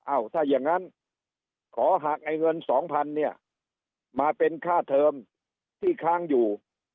ถ้าอย่างนั้นขอหักไอ้เงิน๒๐๐เนี่ยมาเป็นค่าเทอมที่ค้างอยู่